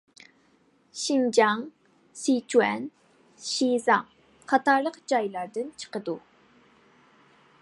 شىنجاڭ، سىچۈەن، شىزاڭ قاتارلىق جايلاردىن چىقىدۇ.